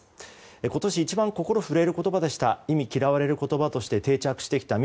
今年一番、心震える言葉でした忌み嫌われる言葉として定着してきた「密」。